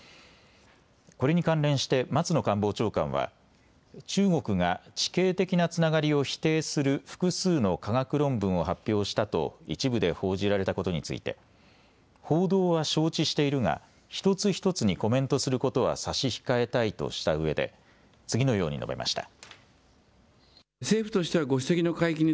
これに関連して松野官房長官は中国が地形的なつながりを否定する複数の科学論文を発表したと一部で報じられたことについて報道は承知しているが一つ一つにコメントすることは差し控えたいとしたうえで次のように述べました。